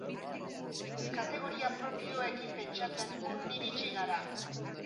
Kategoria propioekin pentsatzen urrun iritsi gara.